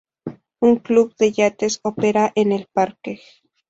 Un club de yates opera en el parque.